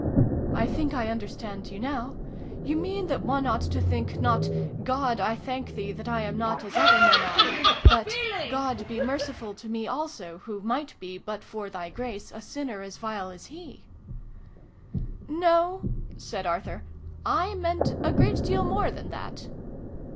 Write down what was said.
" I think I understand you now. You mean that one. ought to think not ' God, I thank Thee that I am not as other men are ' but ' God, be merciful to me also, who might be, but for Thy grace, a sinner as vile as he !' vin] IN A SHADY PLACE. 121 " No," said Arthur. " I meant a great deal more than that."